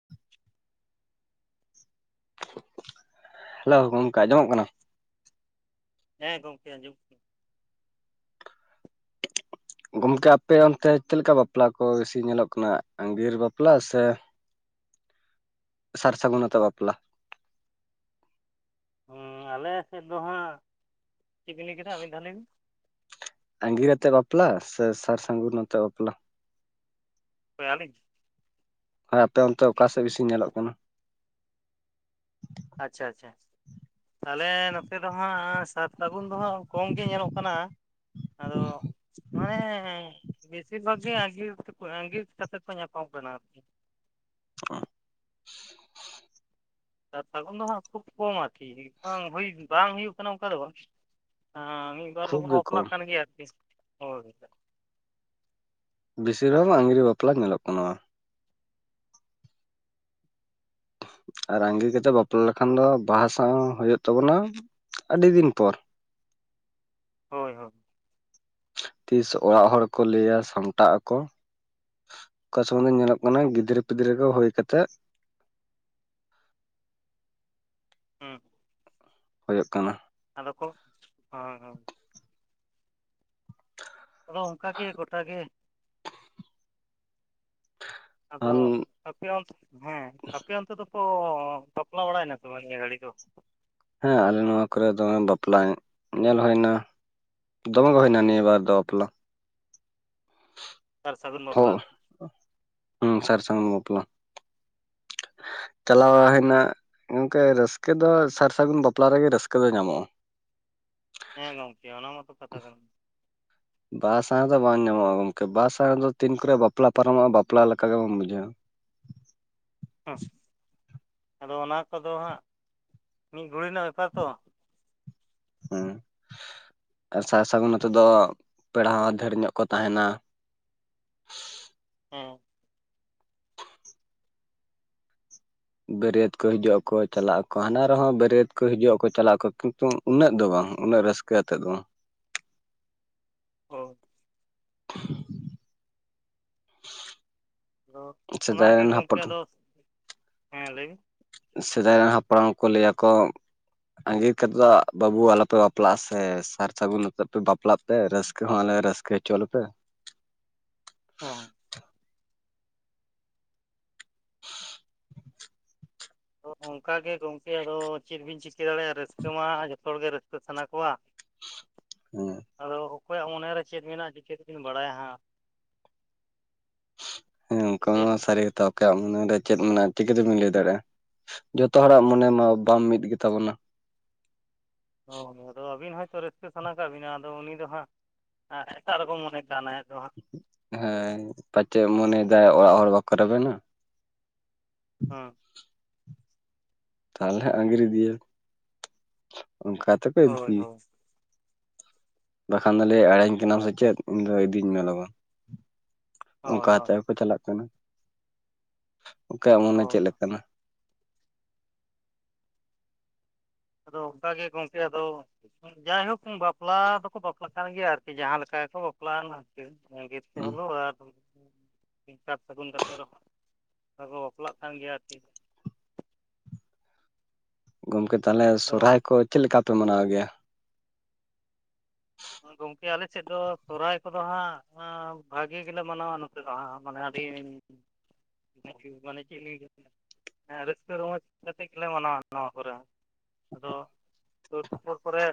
[inaudible] Hello ᱜᱚᱢᱠᱮ ᱟᱸᱡᱚᱢᱚᱜ ᱠᱟᱱᱟ? ᱦᱮᱸ ᱜᱚᱝᱠᱮ ᱟᱸᱡᱚᱢᱚᱜ ᱠᱟᱱᱟ ᱾ ᱜᱚᱢᱠᱮ ᱟᱯᱮ ᱚᱱᱛᱮ ᱪᱮᱫ ᱞᱮᱠᱟ ᱵᱟᱯᱞᱟ ᱠᱚ ᱵᱤᱥᱤ ᱧᱮᱞᱚᱜ ᱠᱟᱱᱟ ᱟᱸᱜᱤᱨ ᱵᱟᱯᱞᱟ ᱥᱮ ᱥᱟᱨ ᱥᱟᱹᱜᱩᱱ ᱟᱛᱮ ᱵᱟᱯᱞᱟ? ᱟᱞᱮ ᱥᱮᱫ ᱫᱚ ᱦᱟᱸᱜ, ᱪᱮᱫ ᱵᱤᱱ ᱞᱟᱹᱭ ᱠᱮᱫᱟ ᱟᱨ ᱢᱤᱫ ᱫᱷᱟᱣ ᱞᱟᱹᱭ ᱵᱤᱱ? ᱟᱸᱜᱤᱨ ᱟᱛᱮ ᱵᱟᱯᱞᱟ ᱥᱮ ᱥᱟᱨ ᱥᱟᱹᱜᱩᱱ ᱟᱛᱮ ᱵᱟᱯᱞᱟ? ᱚᱠᱚᱭ ᱟᱹᱞᱤᱧ? ᱦᱮᱸ ᱟᱯᱮ ᱚᱱᱛᱮ ᱚᱠᱟᱥᱮᱫ ᱵᱤᱥᱤ ᱧᱮᱞᱚᱜ ᱠᱟᱱᱟ? ᱟᱪᱪᱷᱟ ᱟᱪᱪᱷᱟ ᱾ ᱛᱟᱦᱚᱞᱮ ᱱᱚᱛᱮ ᱫᱚ ᱦᱟᱸᱜ ᱥᱟᱨ ᱥᱟᱹᱜᱩᱱ ᱫᱚ ᱦᱟᱸᱜ ᱠᱚᱢ ᱜᱮ ᱧᱮᱞᱚᱜ ᱠᱟᱱᱟ, ‌ ᱟᱫᱚ ᱢᱟᱱᱮ ᱦᱮᱸ ᱵᱮᱥᱤᱨ ᱵᱷᱟᱜᱽ ᱜᱮ ᱟᱸᱜᱤᱨ ᱟᱸᱜᱤᱨ ᱠᱟᱛᱮᱫ ᱠᱚ ᱧᱟᱯᱟ ᱠᱟᱱᱟ ᱟᱨᱠᱤ ᱾ [inaudible] ᱥᱟᱨ ᱥᱟᱹᱜᱩᱱ ᱫᱚ ᱦᱟᱸᱜ ᱠᱷᱩᱵ ᱠᱚᱢ ᱟᱨᱠᱤ ᱵᱟᱝ ᱦᱩᱭ ᱵᱟᱝ ᱦᱩᱭᱩᱜ ᱠᱟᱱᱟ ᱚᱱᱠᱟ ᱫᱚ ᱵᱟᱝ ᱾ ᱟᱸ ᱢᱤᱫ ᱵᱟᱨ ᱠᱷᱩᱵ ᱫᱚᱠᱚ ᱜᱮ ᱵᱚᱯᱞᱟᱜ ᱠᱚᱢ ᱠᱟᱱ ᱜᱮᱭᱟ ᱟᱨᱠᱤ [unintelligible] ᱵᱮᱥᱤᱨ ᱵᱷᱟᱜᱽ ᱢᱟ ᱟᱸᱜᱤᱨ ᱵᱟᱯᱞᱟ ᱧᱮᱞᱚᱜ ᱠᱟᱱᱟ ᱾ ᱟᱨ ᱟᱸᱜᱤᱨ ᱠᱟᱛᱮᱜ ᱵᱟᱯᱞᱟ ᱞᱮᱠᱷᱟᱱ ᱫᱚ ᱵᱟᱦᱟ ᱥᱟᱶᱟ ᱦᱩᱭᱩᱜ ᱛᱟᱵᱚᱱᱟ ᱟᱹᱰᱤ ᱫᱤᱱ ᱯᱚᱨ ᱾ ᱦᱳᱭ ᱦᱳᱭ ᱾ ᱛᱤᱥ ᱚᱲᱟᱜ ᱦᱚᱲ ᱠᱚ ᱞᱟᱹᱭᱟ ᱥᱟᱢᱴᱟᱜ ᱟᱠᱚ ᱾ ᱚᱠᱟ ᱥᱚᱢᱚᱭ ᱫᱚ ᱧᱮᱞᱚᱜ ᱠᱟᱱᱟ ᱜᱤᱫᱽᱨᱟᱹ ᱯᱤᱫᱽᱨᱟᱹ ᱠᱚ ᱦᱩᱭ ᱠᱟᱛᱮᱜ ᱾ ᱦᱩᱸ ᱾ ᱦᱳᱭᱳᱜ ᱠᱟᱱᱟ ᱾ ᱟᱫᱚ ᱠᱚ ᱦᱟᱸ ᱦᱟᱸ ᱟᱫᱚ ᱚᱱᱠᱟ ᱜᱮ ᱜᱚᱴᱟ ᱜᱮ ᱾ ᱟᱫᱚ ᱟᱱ ᱟᱯᱮ ᱚᱱ ᱦᱮᱸ ᱟᱯᱮ ᱚᱱᱛᱮ ᱫᱚᱠᱚ ᱵᱟᱯᱞᱟ ᱵᱟᱲᱟᱭᱮᱱᱟ ᱥᱮ ᱵᱟᱝ ᱱᱤᱭᱟ ᱜᱟᱹᱲᱤ ᱫᱚ, ᱦᱮᱸ ᱟᱞᱮ ᱱᱚᱣᱟ ᱠᱚᱨᱮ ᱫᱚ ᱵᱟᱯᱞᱟ ᱧᱮᱞ ᱦᱳᱭᱱᱟ ᱾ ᱫᱚᱢᱮᱜᱮ ᱦᱳᱭᱱᱟ‌ ᱱᱤᱭᱟᱹ ᱵᱟᱨ ᱫᱚ ᱵᱟᱯᱞᱟ, ᱥᱟᱨ ᱥᱟᱹᱜᱩᱱ ᱵᱟᱯᱞᱟ, ᱦᱚᱸ ᱦᱩᱸ ᱥᱟᱨ ᱥᱟᱹᱜᱩᱱ ᱵᱟᱯᱞᱟ ᱪᱟᱞᱟᱣ ᱦᱮᱱᱟ, ᱜᱚᱝᱠᱮ ᱨᱟᱹᱥᱠᱟᱹ ᱫᱚ ᱥᱟᱨ ᱥᱟᱹᱜᱩᱱ ᱵᱟᱯᱞᱟ ᱨᱮᱜᱮ ᱨᱟᱹᱥᱠᱟᱹ ᱫᱚ ᱧᱟᱢᱚᱜᱼᱟ ᱾ ᱦᱮᱸ ᱜᱚᱝᱠᱮ ᱚᱱᱟ ᱢᱟᱛᱚ ᱠᱟᱛᱷᱟ ᱠᱟᱱᱟ ᱾ ᱵᱟᱦᱟᱥᱟᱦᱟᱸ ᱫᱚ ᱵᱟᱝ ᱧᱟᱢᱚᱜ ᱟ, ᱜᱚᱝᱠᱮ ᱵᱟᱦᱟᱥᱟᱦᱟᱸ ᱫᱚ ᱛᱤᱱ ᱠᱟᱨᱮ ᱵᱟᱯᱞᱟ ᱯᱟᱨᱚᱢᱚᱜᱼᱟ ᱵᱟᱯᱞᱟ ᱞᱮᱠᱟ ᱵᱟᱝ ᱵᱩᱡᱷᱟᱹᱣ ᱟ, ᱦᱮᱸ ᱟᱫᱚ ᱚᱱᱟ ᱠᱚᱫᱚ ᱦᱟᱸᱜ ᱢᱤᱫ ᱜᱷᱩᱲᱤ ᱨᱮᱱᱟᱜ ᱵᱮᱯᱟᱨ ᱛᱚ, ᱦᱮᱸ ᱥᱟᱨ ᱥᱟᱹᱜᱩᱱ ᱟᱛᱮ ᱫᱚ ᱯᱮᱲᱟ ᱦᱚᱸ ᱰᱷᱮᱨ ᱧᱚᱜ ᱠᱚ ᱛᱟᱦᱮᱱᱟ ᱾ ᱦᱩᱸ ᱵᱟᱹᱨᱭᱟᱹᱛ ᱠᱚ ᱦᱤᱡᱩᱜ ᱟᱠᱚ ᱪᱟᱞᱟᱜ ᱟᱠᱚ ᱦᱟᱱᱟ ᱨᱮᱦᱚᱸ ᱵᱟᱹᱨᱭᱟᱹᱛ ᱠᱚ ᱦᱤᱡᱩᱜ ᱟᱠᱚ ᱪᱟᱞᱟᱜ ᱟᱠᱚ ᱠᱤᱱᱛᱩ, ᱩᱱᱟᱹᱜ ᱫᱚ ᱵᱟᱝ ᱩᱱᱟᱹᱜ ᱨᱟᱹᱥᱠᱟᱹ ᱟᱛᱮᱜ ᱫᱚ ᱵᱟᱝ, ᱦᱚ [unintelligible] ᱚ ᱥᱮᱫᱟᱭ ᱚᱱᱟᱜᱮ ᱨᱮᱱ ᱜᱚᱢᱠᱮ ᱦᱟᱯᱲᱟᱢ ᱟᱫᱚ ᱦᱮᱸ ᱞᱟᱹᱭ ᱵᱤᱱ ᱥᱮᱫᱟᱭ ᱨᱮᱱ ᱦᱟᱯᱲᱟᱢ ᱠᱚ ᱞᱟᱹᱭ ᱟᱠᱚ, ᱟᱸᱜᱤᱨ ᱠᱟᱛᱮᱫ ᱫᱚ ᱵᱟᱹᱵᱩ ᱟᱞᱚᱯᱮ ᱵᱟᱯᱞᱟᱜᱼᱟ, ᱥᱮ ᱥᱟᱨ ᱥᱟᱹᱜᱩᱱ ᱟᱛᱮᱫ ᱯᱮ ᱵᱟᱯᱞᱟᱜ ᱯᱮ ᱨᱟᱹᱥᱠᱟᱹ ᱦᱚᱸ ᱟᱞᱮ ᱨᱟᱹᱥᱠᱟᱹ ᱦᱚᱪᱚ ᱞᱮᱯᱮ ᱾ ᱦᱮᱸ ᱚ ᱚᱱᱠᱟ ᱜᱮ ᱜᱚᱢᱠᱮ ᱟᱫᱚ ᱪᱮᱫ ᱵᱤᱱ ᱪᱤᱠᱟᱹ ᱫᱟᱲᱮᱭᱟᱜᱼᱟ ᱨᱟᱹᱥᱠᱟᱹ ᱢᱟ ᱡᱚᱛᱚ ᱦᱚᱲᱜᱮ ᱨᱟᱹᱥᱠᱟᱹ ᱥᱟᱱᱟ ᱠᱚᱣᱟ ᱾ ᱦᱮᱸ ᱟᱫᱚ ᱚᱠᱚᱭᱟᱜ ᱢᱚᱱᱮᱨᱮ ᱪᱮᱫ ᱢᱮᱱᱟᱜᱼᱟ ᱪᱤᱠᱟᱹ ᱛᱮᱵᱤᱱ ᱵᱟᱲᱟᱭᱟ ᱦᱟᱸᱜ ᱾ ᱦᱮᱸ ᱥᱮ ᱚᱱᱠᱟ ᱪᱮᱫ ᱢᱟ ᱥᱟᱹᱨᱤ ᱜᱮᱛᱚ ᱾ ᱟᱠᱚᱣᱟᱜ ᱢᱚᱱᱮᱨᱮ ᱪᱮᱫ ᱢᱮᱱᱟᱜᱼᱟ ᱪᱤᱠᱟᱹ ᱛᱮᱵᱤᱱ ᱞᱟᱹᱭ ᱫᱟᱲᱮᱭᱟᱜᱼᱟ, ᱡᱚᱛᱚ ᱦᱚᱲᱟᱜ ᱢᱚᱱᱮ ᱢᱟ ᱵᱟᱝ ᱢᱤᱫ ᱜᱮᱛᱟᱵᱚᱱᱟ ᱾ ᱚ ᱟᱫᱚ ᱟᱹᱵᱤᱱ ᱦᱚᱭᱛᱳ ᱨᱟᱹᱥᱠᱟᱹ ᱥᱟᱱᱟ ᱠᱟᱜ ᱵᱤᱱᱟ ᱟᱫᱚ ᱩᱱᱤ ᱫᱚ ᱦᱟᱸᱜ ᱟᱨ ᱮᱴᱟᱜ ᱨᱚᱠᱚᱢ ᱢᱚᱱᱮ ᱠᱟᱱᱟᱭ ᱦᱮᱸᱥᱮ ᱵᱟᱝ, ᱦᱮᱸ ᱯᱟᱪᱮᱫ ᱢᱚᱱᱮ ᱫᱟᱭ ᱚᱲᱟᱜ ᱦᱚᱲ ᱵᱟᱠᱚ ᱨᱮᱵᱮᱱᱟ ᱾ ᱦᱮᱸ ᱛᱟᱦᱚᱞᱮ ᱟᱹᱜᱤᱨ ᱤᱫᱤᱭᱮ ᱚᱱᱠᱟᱛᱮ, ᱦᱳᱭ ᱦᱳᱭ ᱵᱟᱠᱷᱟᱱ ᱫᱚ ᱞᱟᱹᱭ ᱮᱲᱮᱧ ᱠᱟᱱᱟᱢ ᱥᱮ ᱪᱮᱫ ᱩᱱᱨᱮ ᱤᱫᱤᱧ ᱢᱮ ᱞᱚᱜᱚᱱ ᱦᱳᱭ ᱚᱱᱠᱟᱛᱮ ᱦᱳᱭ ᱦᱚᱸᱠᱚ ᱪᱟᱞᱟᱜ ᱠᱟᱱᱟ ᱚᱠᱚᱭᱟᱜ ᱢᱚᱱᱮ ᱦᱳᱭ ᱪᱮᱫ ᱞᱮᱠᱟᱱᱟ ᱾ ᱟᱫᱚ ᱚᱱᱠᱟ ᱜᱮ ᱜᱚᱝᱠᱮ ᱟᱫᱚ ᱡᱟᱭᱦᱳᱠ ᱵᱟᱯᱞᱟ ᱫᱚᱠᱚ ᱵᱟᱯᱞᱟᱜ ᱠᱟᱱ ᱜᱮᱭᱟ ᱟᱨᱠᱤ ᱡᱟᱦᱟᱸ ᱞᱮᱠᱟ ᱜᱮᱠᱚ ᱵᱟᱯᱞᱟᱜ ᱟᱜᱤᱨ ᱛᱮ ᱦᱩᱸ ᱦᱚᱞᱳ ᱟᱨ ᱥᱟᱨ ᱥᱟᱹᱜᱩᱱ ᱠᱟᱛᱮᱫ ᱨᱮᱦᱚᱸ ᱟᱨ ᱵᱟᱯᱞᱟᱜ ᱠᱟᱱ ᱜᱮᱭᱟ ᱟᱨᱠᱤ ᱜᱚᱝᱠᱮ ᱛᱟᱦᱚᱞᱮ ᱟᱫᱚ ᱥᱚᱦᱨᱟᱭ ᱠᱚ ᱪᱮᱫ ᱞᱮᱠᱟ ᱯᱮ ᱢᱟᱱᱟᱣ ᱜᱮᱭᱟ ᱜᱚᱝᱠᱮ ᱟᱞᱮ ᱥᱮᱫ ᱫᱚ ᱥᱚᱦᱚᱨᱟᱭ ᱠᱚᱫᱚ ᱦᱟᱸᱜ ᱵᱷᱟᱹᱜᱤ ᱜᱮᱞᱮ ᱢᱟᱱᱟᱣᱟ ᱱᱚᱛᱮ ᱫᱚ ᱦᱟᱸᱜ ᱢᱟᱱᱮ ᱟᱹᱰᱤ [unintelligible] ᱢᱟᱱᱮ ᱪᱮᱫ ᱞᱤᱧ ᱦᱮᱸ ᱨᱟᱹᱥᱠᱟᱹ ᱨᱚᱢᱚᱡ ᱠᱟᱛᱮᱫ ᱜᱮᱞᱮ ᱢᱟᱱᱟᱣᱟ ᱱᱚᱣᱟ ᱠᱚᱨᱮ ᱦᱚᱸ ᱟᱫᱚ ᱥᱩᱨ ᱥᱩᱯᱩᱨ ᱠᱚᱨᱮ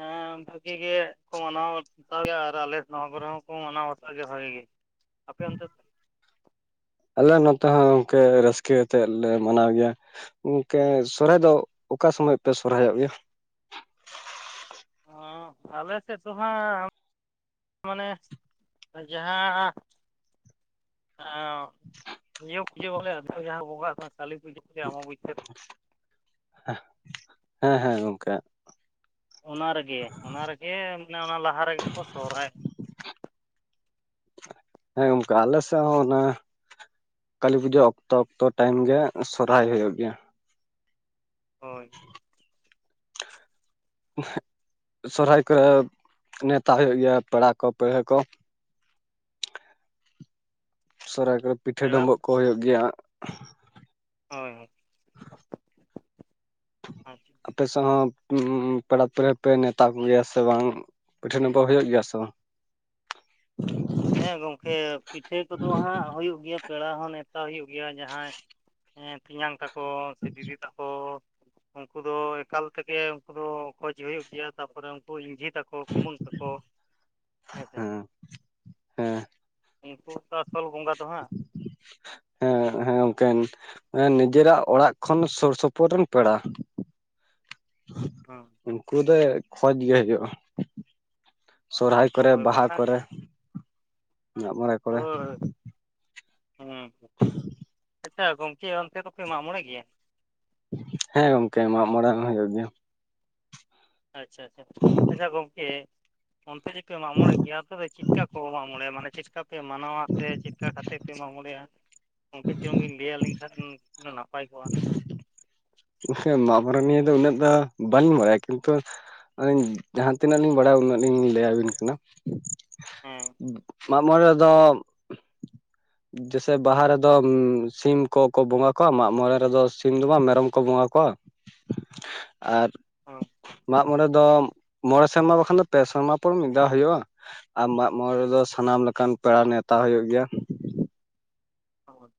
ᱦᱮᱸ ᱵᱷᱟᱹᱜᱤ ᱜᱮ ᱠᱚ ᱢᱟᱱᱟᱣ ᱵᱟᱛᱟᱣ ᱜᱮᱭᱟ ᱟᱨ ᱟᱞᱮ ᱱᱚᱣᱟ ᱠᱚᱨᱮ ᱦᱚᱸᱠᱚ ᱢᱟᱱᱟᱣ ᱵᱟᱛᱟᱣ ᱜᱮᱭᱟ ᱵᱷᱟᱹᱜᱤ ᱜᱮ ᱟᱯᱮ ᱚᱱᱛᱮ ᱫᱚ ᱟᱞᱮ ᱱᱮᱛ ᱦᱚᱸ ᱜᱚᱝᱠᱮ ᱨᱟᱹᱥᱠᱟ ᱟᱛᱮᱫ ᱞᱮ ᱢᱟᱱᱟᱣ ᱜᱮᱭᱟ ᱜᱟᱝᱠᱮ ᱥᱚᱨᱦᱟᱭ ᱫᱚ ᱚᱠᱟ ᱥᱚᱢᱚᱭ ᱯᱮ ᱥᱚᱨᱦᱟᱭᱚᱜ ᱜᱮᱭᱟ ᱚ ᱟᱞᱮ ᱥᱮᱫ ᱫᱚ ᱦᱟᱸᱜ ᱢᱟᱱᱮ ᱡᱟᱦᱟᱸ ᱤᱭᱟᱹ ᱯᱩᱡᱟᱹ ᱵᱚᱞᱮ ᱟᱫᱷᱟ ᱡᱟᱦᱟᱸ ᱵᱚᱸᱜᱟᱜ ᱠᱟᱱ ᱠᱟᱞᱤ ᱯᱩᱡᱟᱹ ᱮ ᱟᱢ ᱵᱪᱟᱹ [unintelligible] ᱦᱮᱸ ᱦᱮᱸ ᱜᱚᱝᱠᱮ ᱚᱱᱟ ᱨᱮᱜᱮ ᱚᱱᱟ ᱨᱮᱜᱮ ᱢᱟᱱᱮ ᱚᱱᱟ ᱞᱟᱦᱟ ᱨᱮᱜᱮ ᱠᱚ ᱥᱚᱦᱚᱨᱟᱭᱚᱜᱼᱟ ᱦᱮᱸ ᱜᱚᱢᱠᱮ ᱟᱞᱮ ᱥᱮᱫ ᱦᱚᱸ ᱚᱱᱟ ᱠᱟᱹᱞᱤ ᱯᱩᱡᱟᱹ ᱚᱠᱛᱚ ᱚᱠᱛᱚ ᱴᱟᱭᱤᱢ ᱜᱮ ᱥᱚᱨᱦᱟᱭ ᱦᱩᱭᱩᱜ ᱜᱮᱭᱟ ᱦᱳᱭ ᱥᱚᱨᱦᱟᱭ ᱠᱚ ᱨᱮ ᱱᱮᱣᱛᱟ ᱦᱩᱭᱩᱜ ᱜᱮᱭᱟ ᱯᱮᱲᱟ ᱠᱚ ᱯᱟᱹᱲᱦᱟᱹ ᱠᱚ ᱥᱚᱨᱦᱟᱭ ᱠᱚᱨᱮ ᱯᱤᱴᱷᱟᱹ ᱯᱮᱲᱟ ᱰᱩᱢᱵᱩᱜ ᱠᱚ ᱦᱩᱭᱩᱜ ᱜᱮᱭᱟ ᱦᱳᱭ ᱦᱳᱭ ᱟᱪᱪᱷᱟ ᱟᱯᱮ ᱥᱮᱫ ᱦᱚᱸ ᱯᱮᱲᱟ ᱯᱟᱹᱲᱦᱟᱹ ᱯᱮ ᱱᱮᱛᱟ ᱠᱚ ᱜᱮᱭᱟ ᱥᱮ ᱵᱟᱝ ᱯᱤᱴᱷᱟᱹ ᱱᱟᱯᱷᱟ ᱦᱩᱭᱩᱜ ᱜᱮᱭᱟ ᱥᱮ ᱵᱟᱝ ᱦᱮᱸ ᱜᱚᱢᱠᱮ ᱯᱤᱴᱷᱟᱹ ᱠᱚᱫᱚ ᱦᱟᱸᱜ ᱦᱩᱭᱩᱜ ᱜᱮᱭᱟ ᱯᱮᱲᱟ ᱦᱚᱸ ᱱᱮᱣᱛᱟ ᱦᱩᱭᱩᱜ ᱜᱮᱭᱟ ᱡᱟᱦᱟᱸᱭ ᱦᱮᱸ ᱛᱮᱧᱟᱝ ᱛᱟᱠᱚ ᱥᱮ ᱫᱤᱫᱤ ᱛᱟᱠᱚ ᱩᱱᱠᱩ ᱫᱚ ᱮᱠᱟᱞ ᱛᱮᱜᱮ ᱩᱱᱠᱩ ᱫᱚ ᱠᱷᱡᱽ ᱦᱩᱭᱩᱜ ᱜᱮᱭᱟ ᱛᱟᱯᱚᱨᱮ ᱩᱱᱠᱩ ᱤᱧ ᱡᱷᱤ ᱛᱟᱠᱚ ᱠᱩᱢᱟᱹᱝ ᱛᱟᱠᱚ ᱦᱮᱸᱥᱮ ᱦᱮᱸ ᱦᱮᱸ ᱩᱱᱠᱩ ᱛᱚ ᱟᱥᱚᱞ ᱵᱚᱸᱜᱟ ᱫᱚ ᱦᱟᱸᱜ ᱦᱮᱸ ᱦᱮᱸ ᱚᱝᱠᱤᱱ ᱱᱤᱡᱮᱨᱟᱜ ᱚᱲᱟᱜ ᱠᱷᱚᱱ ᱥᱩᱨ ᱥᱩᱯᱩᱨ ᱨᱮᱱ ᱯᱮᱲᱟ ᱦ ᱦᱮᱸ ᱩᱱᱠᱩ ᱫᱚ ᱠᱷᱡᱽ ᱜᱮ ᱦᱩᱭᱩᱜᱼᱟ ᱥᱚᱨᱦᱟᱭ ᱠᱚᱨᱮ ᱦᱳᱭ ᱵᱟᱦᱟ ᱵᱟᱠᱷᱟᱱ ᱠᱚᱨᱮ ᱢᱟᱜᱽ ᱢᱚᱬᱮ ᱠᱚᱨᱮ ᱦᱮᱸ ᱟᱪᱪᱷᱟ ᱜᱚᱢᱠᱮ ᱚᱱᱛᱮ ᱫᱚᱯᱮ ᱢᱟᱜᱽ ᱢᱚᱬᱮᱜ ᱜᱮᱭᱟ ᱦᱮᱸ ᱜᱚᱝᱠᱮ ᱢᱟᱜᱽ ᱢᱚᱬᱮ ᱦᱚᱸ ᱦᱩᱭᱩᱜ ᱜᱮᱭᱟ ᱟᱪᱪᱷᱟ ᱟᱪᱪᱷᱟ ᱟᱪᱪᱷᱟ ᱜᱚᱢᱠᱮ ᱚᱱᱛᱮ ᱡᱮ ᱯᱮ ᱢᱟᱜᱽ ᱢᱚᱲᱮᱜ ᱜᱮᱭᱟ ᱢᱟᱱᱮ ᱪᱮᱫ ᱠᱟ ᱠᱚ ᱢᱟᱜᱽ ᱢᱚᱬᱮᱜ ᱼᱟ ᱢᱟᱱᱮ ᱪᱮᱫ ᱠᱟ ᱯᱮ ᱢᱟᱱᱟᱣᱟ ᱥᱮ ᱪᱮᱫ ᱞᱮᱠᱟ ᱠᱟᱛᱮᱫ ᱯᱮ ᱢᱟᱜᱽᱢᱚᱬᱮᱜ-ᱟ ᱜᱚᱢᱠᱮ ᱪᱚᱝᱤᱧ ᱞᱟᱹᱭ ᱟᱹᱞᱤᱧ ᱠᱷᱟᱱ ᱩᱱᱟᱹ ᱱᱟᱯᱟᱭ ᱠᱚᱜᱼᱟ ᱢᱟᱜᱽ ᱢᱚᱨᱮ ᱱᱤᱭᱟᱹ ᱫᱚ ᱩᱱᱟᱹᱜ ᱫᱚ ᱵᱟᱹᱞᱤᱧ ᱵᱟᱲᱟᱭᱟ ᱭᱟ ᱠᱤᱱᱛᱩ ᱟᱧᱤᱧ ᱡᱟᱦᱟᱸ ᱛᱤᱱᱟᱹᱜ ᱞᱤᱧ ᱵᱟᱲᱟᱭᱟ ᱩᱱᱟᱹᱜ ᱞᱤᱧ ᱞᱟᱹᱭ ᱟᱹᱵᱤᱱ ᱠᱟᱱᱟ ᱦᱮᱸ ᱢᱚᱬᱮ ᱫᱚ ᱡᱮᱥᱮ ᱵᱟᱦᱟ ᱨᱮᱫᱚ ᱥᱤᱢ ᱠᱚᱠᱚ ᱵᱚᱸᱜᱟ ᱠᱚᱣᱟ ᱢᱟᱜᱽ ᱢᱚᱬᱮ ᱨᱮᱫᱚ ᱥᱤᱢ ᱫᱚ ᱵᱟᱝ ᱢᱮᱨᱚᱢ ᱠᱚ ᱵᱚᱸᱜᱟ ᱠᱚᱣᱟ ᱟᱨ ᱦᱳᱭ ᱢᱟᱜᱽᱢᱚᱬᱮ ᱫᱚ ᱢᱚᱬᱮ ᱥᱮᱨᱢᱟ ᱵᱟᱠᱷᱟᱱ ᱫᱚ ᱯᱮ ᱥᱮᱨᱢᱟ ᱯᱚᱨ ᱢᱤᱫ ᱫᱷᱟᱣ ᱦᱩᱭᱩᱜᱼᱟ ᱟᱨ ᱢᱟᱜᱽᱢᱚᱬᱮ ᱨᱮᱫᱚ ᱥᱟᱱᱟᱢ ᱞᱮᱠᱟᱱ ᱯᱮᱲᱟ ᱱᱮᱶᱛᱟ ᱦᱩᱭᱩᱜ ᱜᱮᱭᱟ ᱦᱳᱭ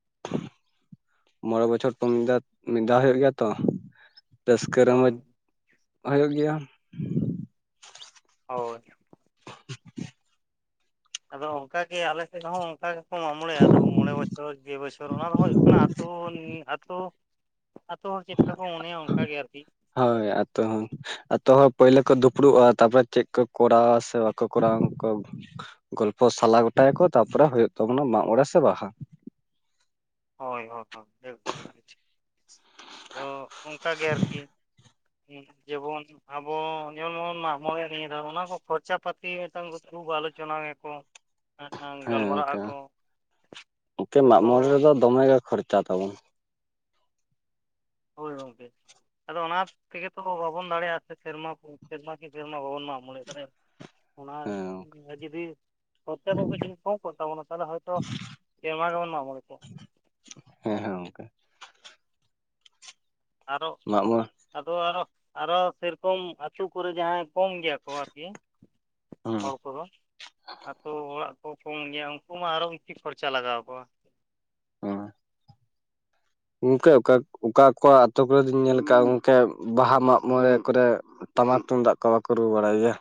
ᱢᱚᱬᱮ ᱵᱚᱪᱷᱚᱨ ᱯᱚᱱ ᱫᱮᱛ ᱢᱤᱫ ᱫᱷᱟᱣ ᱦᱩᱭᱩᱜ ᱜᱮᱭᱟ ᱛᱚ ᱨᱟᱹᱥᱠᱟᱹ ᱨᱚᱢᱚᱡᱽ ᱦᱳᱭ ᱦᱩᱭᱩᱜ ᱜᱮᱭᱟ᱾ ᱦᱳᱪ ᱟᱫᱚ ᱚᱱᱠᱟᱜᱮ ᱟᱞᱮ ᱥᱮᱫ ᱦᱚᱸ ᱚᱱᱠᱟ ᱢᱟᱜ ᱢᱚᱬᱮ ᱟᱫᱚ ᱢᱚᱬᱮ ᱵᱚᱪᱷᱚᱨ ᱜᱮ ᱵᱚᱪᱷᱚᱨ ᱚᱱᱟ ᱫᱚ ᱦᱩᱭᱩᱜ ᱠᱟᱱᱟ ᱟᱹᱛᱩ-ᱟᱛᱳ ᱟᱛᱳ ᱦᱚᱲ ᱪᱮᱫᱠᱟ ᱠᱚ ᱢᱚᱱᱮᱭᱟ ᱚᱱᱠᱟ ᱜᱮ ᱟᱨ ᱠᱤ ᱦᱳᱭ ᱟᱛᱳ ᱦᱚᱸ ᱟᱹᱛᱩ ᱦᱚᱲ ᱯᱳᱭᱞᱳ ᱠᱚ ᱫᱩᱯᱲᱩᱵᱼᱟ ᱛᱟᱨᱯᱚᱨᱮ ᱪᱮᱫ ᱠᱚ ᱠᱚᱨᱟᱣᱟ ᱥᱮ ᱵᱟᱠᱚ ᱠᱚᱨᱟᱣᱟ ᱜᱚᱞᱯᱚ ᱥᱟᱞᱟ ᱜᱚᱴᱟᱭᱟᱠᱚ ᱛᱟᱯᱚᱨᱮ ᱦᱩᱭᱩᱜ ᱛᱟᱵᱚᱱᱟ ᱢᱟᱜ ᱢᱚᱬᱮ ᱥᱮ ᱵᱟᱦᱟ ᱦᱳᱭ ᱦᱳᱭ [unintelligible] ᱟᱫᱚ ᱚᱱᱠᱟ ᱜᱮ ᱟᱨᱠᱤ ᱡᱮᱵᱚᱱ ᱟᱵᱚ ᱡᱮᱢᱚᱱ ᱵᱚᱱ ᱢᱟᱜ ᱢᱚᱲᱮ-ᱟ ᱱᱤᱣᱟ ᱫᱷᱟᱣ ᱚᱱᱟ ᱠᱚ ᱠᱚᱠᱷᱚᱨᱪᱟ ᱯᱟᱹᱛᱤ ᱢᱤᱫᱴᱟᱝ ᱠᱷᱩᱵ ᱟᱞᱳᱪᱚᱱᱟᱭᱟ ᱠᱚ᱾ ᱦᱮᱸ ᱜᱚᱝᱠᱮ ᱚᱱᱠᱮ ᱢᱟᱜ ᱦᱳᱭᱛᱳ ᱢᱚᱬᱮ ᱨᱮᱫᱚ ᱫᱚᱢᱮ ᱜᱮ ᱠᱷᱚᱨᱪᱟ ᱛᱟᱵᱚᱱ ᱦᱳᱭ ᱜᱚᱝᱠᱮ ᱟᱫᱚ ᱚᱱᱟ ᱛᱮᱜᱮ ᱛᱚ ᱵᱟᱵᱚᱱ ᱫᱟᱲᱮᱭᱟᱜᱼᱟ ᱥᱮᱨᱢᱟ ᱠᱚ ᱥᱮᱨᱢᱟ ᱠᱤ ᱥᱮᱨᱢᱟ ᱵᱟᱵᱚᱱ ᱢᱟᱜ ᱢᱚᱱᱮ ᱫᱟᱲᱮᱭᱟᱜᱼᱟ ᱚᱱᱟ ᱦᱮᱸ ᱜᱚᱝᱠᱮ ᱡᱩᱫᱤ ᱠᱚᱛᱮᱵᱚᱱ ᱡᱤᱱ ᱠᱚ ᱠᱚ [unintelligible] ᱛᱟᱵᱚᱱᱟ ᱛᱟᱦᱚᱞᱮ ᱦᱚᱭᱛᱚ ᱥᱮᱨᱢᱟ ᱜᱮᱵᱚᱱ ᱢᱟᱜ ᱢᱚᱬᱮ ᱠᱚᱜᱼᱟ᱾ ᱦᱮᱸ ᱦᱮᱸ ᱜᱚᱝᱠᱮ ᱟᱨᱚ ᱢᱟᱜ ᱢᱚᱬᱮ ᱟᱫᱚ ᱟᱨᱚ ᱥᱮᱨᱚᱠᱚᱢ ᱟᱹᱛᱩ ᱠᱚᱨᱮ ᱡᱟᱦᱟᱸᱭ ᱠᱚᱢ ᱜᱮᱭᱟ ᱠᱚ ᱟᱨᱠᱤ ᱦᱮᱸ ᱦᱚᱲ ᱠᱚᱫᱚ ᱟᱛᱳ ᱚᱲᱟᱜ ᱠᱚ ᱠᱚᱢ ᱜᱮᱭᱟ ᱩᱱᱠᱩ ᱢᱟ ᱟᱨᱚ ᱩᱱᱪᱤ ᱠᱷᱚᱨᱪᱟ ᱞᱟᱜᱟᱣ ᱠᱚᱣᱟ᱾ ᱜᱚᱢᱠᱮ ᱚᱠᱟ ᱚᱠᱟ ᱠᱚᱣᱟᱜ ᱟᱛᱳ ᱠᱚᱨᱮ ᱫᱚᱧ ᱧᱮᱞ ᱟᱠᱟᱜ ᱜᱚᱢᱠᱮ ᱵᱟᱦᱟ ᱢᱟᱜ ᱢᱚᱬᱮ ᱠᱚᱨᱮ ᱴᱟᱢᱟᱠ ᱛᱩᱢᱫᱟᱜ ᱠᱚ ᱵᱟᱠᱚ ᱨᱩ ᱵᱟᱲᱟᱭ ᱜᱮᱭᱟ᱾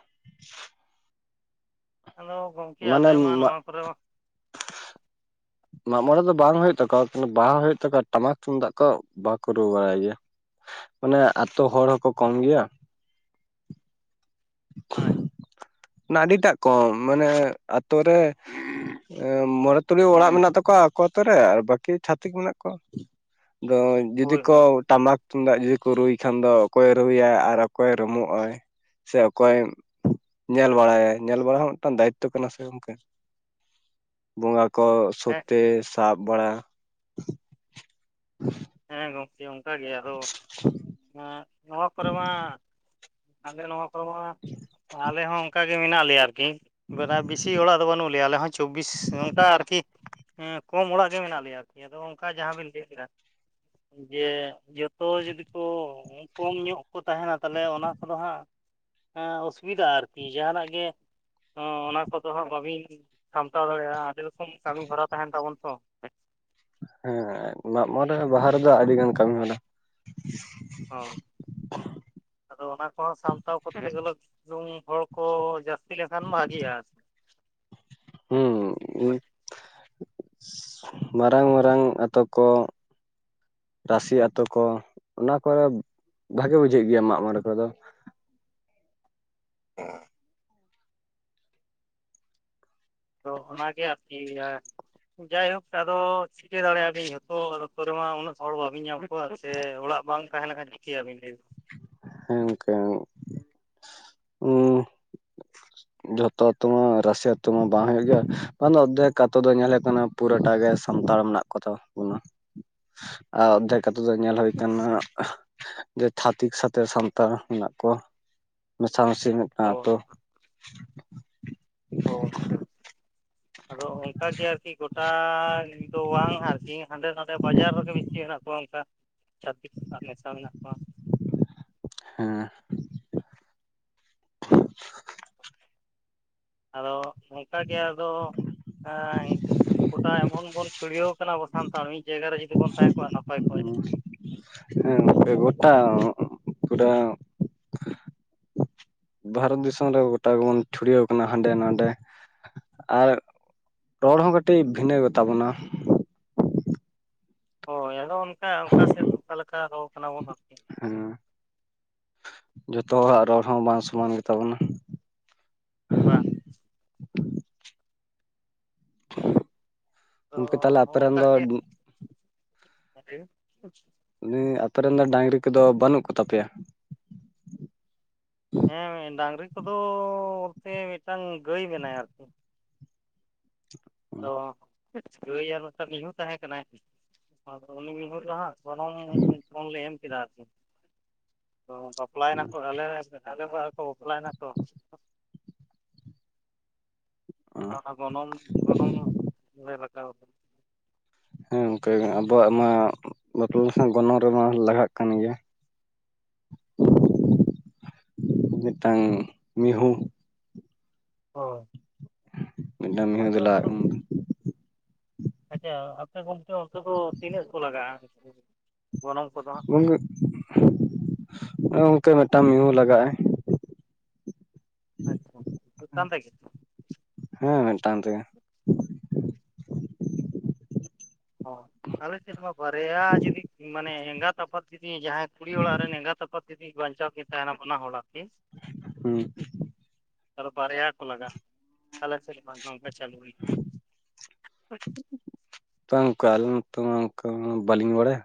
ᱟᱫᱚ ᱜᱚᱢᱠᱮ ᱟᱞᱮ ᱢᱟᱱᱮ ᱢᱟ ᱢᱟᱜ ᱱᱚᱣᱟ ᱠᱚᱨᱮᱢᱟ ᱢᱟᱜ ᱢᱚᱬᱮ ᱫᱚ ᱵᱟᱝ ᱦᱩᱭᱩᱜ ᱛᱟᱠᱚᱣᱟ ᱠᱤᱱᱛᱩ ᱵᱟᱦᱟ ᱦᱩᱭᱩᱜ ᱛᱟᱠᱚᱣᱟ ᱴᱟᱢᱟᱠ ᱛᱩᱢᱫᱟᱜ ᱠᱚ ᱵᱟᱠᱚ ᱨᱩ ᱵᱟᱲᱟᱭ ᱜᱮᱭᱟ᱾ ᱢᱟᱱᱮ ᱟᱛᱳ ᱦᱚᱲ ᱦᱚᱸᱠᱚ ᱠᱚᱢ ᱜᱮᱭᱟᱺ ᱟᱪᱪᱷᱟ ᱟᱹᱰᱤᱴᱟᱜ ᱠᱚᱢ ᱢᱟᱱᱮ ᱟᱹᱛᱳ ᱨᱮ ᱢᱚᱬᱮ ᱛᱩᱨᱩᱭ ᱚᱲᱟᱜ ᱢᱮᱱᱟᱜ ᱛᱟᱠᱚᱣᱟ ᱟᱠᱚ ᱟᱛᱩ ᱨᱮ ᱟᱨ ᱵᱟᱠᱤ ᱪᱷᱟᱹᱛᱤᱠ ᱢᱮᱱᱟᱜ ᱠᱚᱣᱟ᱾ ᱫᱚᱧ ᱡᱩᱫᱤ ᱦᱳᱭ ᱠᱚ ᱦᱳᱭ ᱴᱟᱢᱟᱠ ᱛᱩᱢᱫᱟᱜ ᱡᱩᱫᱤ ᱠᱚ ᱨᱩᱭ ᱠᱷᱟᱱ ᱫᱚ ᱚᱠᱚᱭᱮ ᱨᱩᱭᱟᱭ ᱟᱨ ᱚᱠᱚᱭ ᱨᱩᱢᱩᱜ ᱟᱭ ᱥᱮ ᱚᱠᱚᱭ ᱧᱮᱞ ᱵᱟᱲᱟᱭᱟ ᱧᱮᱞ ᱵᱟᱲᱟ ᱦᱚᱸ ᱢᱤᱫᱴᱟᱝ ᱫᱟᱭᱤᱛᱛᱚ ᱠᱟᱱᱟ ᱥᱮ ᱜᱚᱝᱠᱮ ᱵᱚᱸᱜᱟ ᱠᱚ ᱦᱮᱸ ᱥᱚᱛᱮ ᱥᱟᱵ ᱵᱟᱲᱟ᱾ ᱦᱮᱸ ᱜᱚᱢᱠᱮ ᱚᱱᱠᱟᱜᱮ ᱟᱫᱚ ᱱᱚᱣᱟ ᱠᱚᱨᱮ ᱢᱟ ᱟᱞᱮ ᱱᱚᱣᱟ ᱠᱚᱨᱮᱢᱟ, ᱟᱞᱮ ᱦᱚᱸ ᱚᱱᱠ ᱜᱮ ᱢᱮᱱᱟᱜ ᱞᱮᱭᱟ ᱟᱨᱠᱤ᱾ ᱵᱮᱥᱤ ᱦᱚᱲᱟᱜ ᱫᱚ ᱵᱟᱹᱱᱩᱜ ᱞᱮᱭᱟ ᱟᱞᱮ ᱦᱚᱸ ᱪᱚᱵᱽᱵᱤᱥ ᱱᱚᱝᱠᱟ ᱟᱨᱠᱤ ᱦᱮᱸ ᱠᱚᱢ ᱚᱲᱟᱜ ᱜᱮ ᱢᱮᱱᱟᱜ ᱞᱮᱭᱟ ᱟᱨᱠᱤ ᱟᱫᱚ ᱚᱱᱠᱟ ᱡᱟᱦᱟᱸᱵᱤᱱ ᱞᱟᱹᱭ ᱠᱮᱫᱟ᱾ ᱡᱮ ᱡᱚᱛᱚ ᱡᱩᱫᱤ ᱠᱚ ᱠᱚᱢ ᱧᱚᱜ ᱠᱚ ᱛᱟᱦᱮᱱᱟ ᱛᱟᱦᱚᱞᱮ ᱚᱱᱟ ᱠᱚᱫᱚ ᱦᱟᱸᱜ ᱦᱟᱸ ᱚᱥᱩᱵᱤᱫᱷᱟ ᱟᱨᱠᱤ ᱡᱟᱦᱟᱱᱟᱜ ᱜᱮ ᱚᱱᱟ ᱠᱚᱫᱚ ᱦᱟᱸᱜ ᱵᱟᱹᱵᱤᱱ ᱥᱟᱢᱴᱟᱣ ᱫᱟᱲᱮᱭᱟᱜᱼᱟ ᱟᱹᱰᱤ ᱨᱚᱠᱚᱢ ᱠᱟᱹᱢᱤᱦᱚᱨᱟ ᱛᱟᱦᱮᱱ ᱛᱟᱵᱚᱱ ᱛᱚ᱾ ᱦᱮᱸ ᱢᱟᱜ ᱢᱚᱬᱮ ᱵᱟᱦᱟ ᱨᱮᱫᱚ ᱟᱹᱰᱤ ᱜᱟᱱ ᱠᱟᱹᱢᱤ ᱢᱮᱱᱟᱜ᱾ ᱦᱳᱭ, ᱟᱫᱚ ᱚᱱᱟ ᱠᱚᱦᱚᱸ ᱥᱟᱢᱴᱟᱣ ᱠᱚᱛᱮ ᱜᱮᱞᱚ ᱦᱚᱲ ᱠᱚ ᱡᱟᱹᱥᱛᱤ ᱞᱮᱱ ᱠᱷᱟᱱ ᱵᱷᱟᱜᱤᱼᱟ ᱦᱩᱸ ᱢᱟᱨᱟᱝ ᱢᱟᱨᱟᱝ ᱟᱛᱳ ᱠᱚ ᱨᱟᱥᱤ ᱟᱛᱳ ᱠᱚ ᱚᱱᱟ ᱠᱚᱨᱮ ᱵᱷᱟᱜᱮ ᱵᱩᱡᱷᱟᱹᱜ ᱜᱮᱭᱟ ᱢᱟᱜ ᱢᱚᱬᱮ ᱠᱚᱫᱚ᱾ [unintelligible] ᱟᱫᱚ ᱚᱱᱟᱜᱮ ᱟᱨᱠᱤ ᱡᱟᱭᱦᱳᱠ ᱟᱫᱚ ᱪᱤᱠᱟᱹ ᱫᱟᱲᱮᱭᱟᱜᱼᱟᱵᱤᱱ ᱡᱚᱛᱚ ᱟᱛᱳ ᱨᱮᱢᱟ ᱩᱱᱟᱹᱜ ᱦᱚᱲ ᱵᱟᱹᱵᱤᱱ ᱧᱟᱢ ᱠᱚᱣᱟ ᱥᱮ ᱚᱲᱟᱜ ᱵᱟᱝ ᱛᱟᱦᱮᱸ ᱞᱮᱱᱠᱷᱟᱱ ᱪᱤᱠᱟᱹᱭᱟᱵᱤᱱ ᱞᱟᱹᱭ ᱵᱤᱱ ᱦᱮᱠ ᱦ [unintelligible] ᱡᱷᱚᱛᱚ ᱟᱛᱳ ᱢᱟ ᱨᱟᱥᱮ ᱟᱛᱳ ᱢᱟ ᱵᱟᱝ ᱦᱩᱭᱩᱜ ᱜᱮᱭᱟ ᱵᱟᱝ ᱚᱨᱫᱷᱮᱠ ᱟᱛᱳ ᱫᱚ ᱧᱮᱞᱚᱜ ᱠᱟᱱᱟ ᱯᱩᱨᱟᱹᱴᱟ ᱜᱮ ᱥᱟᱱᱛᱟᱲ ᱢᱮᱱᱟᱜ ᱠᱚᱛᱟ ᱵᱚᱱᱟ ᱟᱨ ᱚᱫᱷᱮᱠ ᱟᱛᱳ ᱫᱚ ᱧᱮᱞ ᱦᱳᱭ ᱠᱟᱱᱟ ᱡᱮ ᱪᱷᱟᱛᱤᱠ ᱥᱟᱛᱮ ᱥᱟᱱᱛᱟᱲ ᱢᱮᱱᱟᱜ ᱠᱚᱣᱟ ᱢᱮᱥ ᱢᱮᱥᱤ ᱢᱤᱫᱴᱟᱝ ᱟᱛᱳ ᱚ [unintelligible] ᱟᱫᱚ ᱚᱱᱠᱟᱜᱮ ᱟᱨᱠᱤ ᱜᱚᱴᱟ ᱫᱚ ᱵᱟᱝ ᱟᱨᱠᱤ ᱦᱟᱸᱰᱮ ᱱᱚᱰᱮ ᱵᱟᱡᱟᱨ ᱨᱮᱜᱮ ᱵᱤᱥᱤ ᱦᱮᱱᱟᱜ ᱠᱚᱣᱟ ᱚᱱᱠᱟ ᱪᱷᱟᱛᱤ ᱢᱮᱥᱟ ᱢᱮᱱᱟ ᱠᱚᱣᱟ ᱦᱮᱸ ᱟᱫᱚ ᱚᱝᱠᱟ ᱜᱮ ᱟᱫᱚ ᱜᱚᱴᱟ ᱮᱢᱚᱱ ᱵᱚᱱ ᱪᱷᱩᱲᱭᱟᱹᱣ ᱠᱟᱱᱟ ᱟᱵᱚ ᱥᱟᱱᱛᱟᱲ ᱢᱤᱫ ᱡᱟᱭᱜᱟ ᱨᱮ ᱡᱩᱫᱤ ᱵᱚᱱ ᱛᱟᱦᱮᱸ ᱠᱚᱜ-ᱟ ᱱᱟᱯᱟᱭ ᱠᱚᱜ-ᱟ ᱦᱮᱸ ᱜᱚᱴᱟ ᱯᱩᱨᱟᱹ ᱵᱷᱟᱨᱚᱛ ᱫᱤᱥᱚᱢ ᱨᱮ ᱜᱚᱴᱟ ᱜᱮᱵᱚᱱ ᱪᱷᱩᱲᱭᱟᱹᱣ ᱠᱟᱱᱟ ᱦᱟᱸᱰᱮ ᱱᱟᱰᱮ ᱟᱨ ᱨᱚᱲ ᱦᱚᱸ ᱠᱟᱹᱴᱤᱡ ᱵᱷᱤᱱᱟᱹ ᱜᱮᱛᱟ ᱵᱚᱱᱟ ᱦᱳᱭ ᱟᱫᱚ ᱚᱱᱠᱟ ᱚᱱᱠᱟ ᱥᱮᱫ ᱚᱠᱟ ᱞᱮᱠᱟ ᱨᱳ ᱟᱠᱟᱱᱟ ᱵᱚᱱ ᱟᱨᱠᱤ ᱦᱮᱸ ᱡᱚᱛᱚ ᱦᱚᱲᱟᱜ ᱨᱚᱲ ᱦᱚᱸ ᱵᱟᱝ ᱥᱚᱢᱟᱱ ᱜᱮᱛᱟ ᱵᱚᱱᱟ ᱵᱟ ᱜᱚᱢᱠᱮ ᱛᱟᱦᱚᱞᱮ ᱟᱯᱮᱨᱮᱱ ᱫᱚ ᱟᱫᱚ ᱚᱱᱠᱟᱜ ᱜᱮᱛᱚ ᱩᱱᱤ ᱟᱯᱮ ᱨᱮᱱ ᱫᱚ ᱰᱟᱹᱟᱝᱨᱤ ᱠᱚ ᱫᱚ ᱵᱟᱹᱱᱩᱜ ᱠᱚᱛᱟ ᱯᱮᱭᱟ ᱦᱮᱸ ᱰᱟᱝᱨᱤ ᱠᱚ ᱫᱚ ᱵᱚᱞᱛᱮ ᱢᱤᱫᱴᱟᱝ ᱜᱟᱹᱭ ᱢᱮᱱᱟᱭᱟ ᱟᱨᱠᱤ ᱟᱫᱚ ᱜᱟᱹᱭ ᱟᱨ ᱢᱤᱫᱴᱟᱝ ᱢᱤᱦᱩ ᱛᱟᱦᱮᱸ ᱠᱟᱱᱟᱭ ᱟᱫᱚ ᱩᱱᱤ ᱢᱤᱦᱩ ᱫᱚ ᱦᱟᱜ ᱜᱚᱱᱚᱝ ᱯᱚᱱ ᱞᱮ ᱮᱢ ᱠᱮᱫᱟ ᱟᱨᱠᱤ ᱫᱚ ᱵᱟᱯᱞᱟᱭᱮᱱᱟ ᱠᱚ ᱟᱞᱮ ᱟᱞᱮ ᱵᱳᱭᱦᱟ ᱠᱚ ᱵᱟᱯᱞᱟᱭᱮᱱᱟ ᱠᱚ ᱟ ᱜᱚᱱᱚᱝ ᱜᱚᱱᱚᱝ ᱞᱮ ᱨᱟᱠᱟᱵ ᱟᱠᱟᱵ ᱦᱮᱸ ᱜᱚᱱᱠᱮ ᱟᱵᱚᱣᱟᱜ ᱢᱟ ᱵᱟᱯᱞᱟ ᱜᱚᱱᱚᱝ ᱨᱮᱢᱟ ᱞᱟᱜᱟᱜ ᱠᱟᱱ ᱜᱮᱭᱟ [unintelligible] ᱦᱚ [inaudible] ᱢᱤᱫᱴᱟᱝ ᱢᱤᱸᱦᱩ ᱦᱳ ᱢᱤᱫ ᱴᱟᱝ ᱢᱤᱦᱩ ᱫᱚ ᱞᱟᱜᱟ ᱟᱪᱪᱷᱟ ᱟᱯᱮ ᱜᱚᱝᱠᱮ ᱚᱱᱛᱮ ᱫᱚ ᱛᱤᱱᱟᱹᱜ ᱠᱚ ᱞᱟᱜᱟᱜᱼᱟ ᱜᱚᱱᱚᱝ ᱠᱚᱫᱚ ᱦᱟᱸᱜ ᱟᱸ ᱜᱚᱝᱠᱮ ᱢᱤᱫ ᱴᱟᱝ ᱢᱤᱦᱩ ᱞᱟᱜᱟᱜ ᱟᱭ ᱟᱪᱪᱷᱟ ᱢᱤᱫᱴᱟᱝ ᱛᱮᱜᱮ ᱦᱮᱸ ᱢᱤᱫ ᱴᱟᱝ ᱛᱮᱜᱮ ᱟᱞᱮ ᱥᱮᱫ ᱢᱟ ᱵᱟᱨᱭᱟ ᱡᱩᱫᱤ ᱢᱟᱱᱮ ᱮᱸᱜᱟᱛ ᱟᱯᱟᱛ ᱡᱩᱫᱤ ᱡᱟᱦᱟᱸᱭ ᱠᱩᱲᱤ ᱚᱲᱟᱜ ᱨᱮᱱ ᱮᱸᱜᱟᱛ ᱟᱯᱟᱛ ᱡᱩᱫᱤ ᱵᱟᱧᱪᱟᱣ ᱠᱤᱱ ᱛᱟᱦᱮᱱᱟ ᱵᱟᱱᱟ ᱦᱚᱲ ᱟᱨᱠᱤ ᱦᱩᱸ ᱟᱫᱚ ᱵᱟᱨᱭᱟ ᱠᱚ ᱞᱟᱜᱟᱜ ᱟ ᱟᱞᱮ ᱥᱮᱫ ᱢᱟ ᱱᱝᱠᱟ ᱪᱟᱹᱞᱩ ᱦᱩᱭᱩᱜ-ᱟ ᱛᱳ ᱜᱚᱢᱠᱮ ᱟᱞᱮ ᱱᱚᱛᱮ ᱢᱟ ᱫᱟᱠᱟ ᱢᱟ ᱵᱟᱞᱤᱧ ᱵᱟᱲᱟᱭᱟ